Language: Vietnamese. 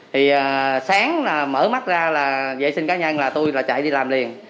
thì sáng mở mắt ra là dễ sinh cá nhân là tôi chạy đi làm liền